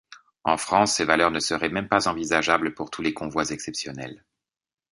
En France, ces valeurs ne seraient même pas envisageables pour tous les convois exceptionnels.